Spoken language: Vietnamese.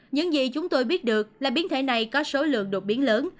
những gì chúng tôi biết được là biến thể này có số lượng đột biến lớn